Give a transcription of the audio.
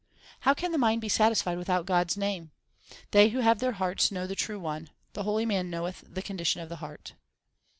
How can the mind be satisfied without God s name ? They who lave their hearts know the True One. The holy man knoweth the condition of his heart.